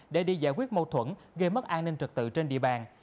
để đi giải quyết mâu thuẫn gây mất an ninh trực tự trên địa bàn